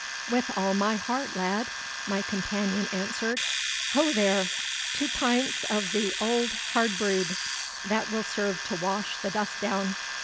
'With all my heart, lad,' my companion answered. 'Ho, there! two pints of the old hard brewed! That will serve to wash the dust down.